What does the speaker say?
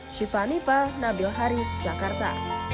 syifa nipah nabil haris jakarta